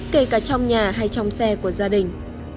kể cả trong nhà hay trong xe của gia đình